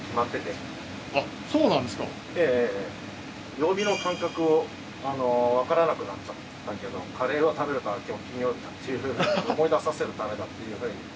曜日の感覚をわからなくなっちゃったけどカレーを食べると今日金曜日だっていうのを思い出させるためだっていうふうに。